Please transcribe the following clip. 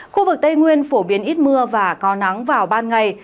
khu vực tây nguyên phổ biến ít mưa và có nắng vào ban ngày